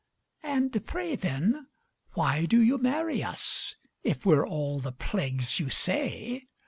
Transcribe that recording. And pray, then, why do you marry us, If we're all the plagues you say?